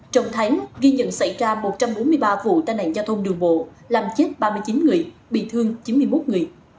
trong tháng ghi nhận xảy ra một trăm bốn mươi ba vụ tai nạn giao thông đường bộ làm chết ba mươi chín người bị thương chín mươi một người